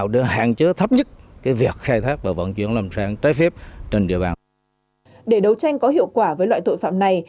để đấu tranh có hiệu quả với loại tội phạm này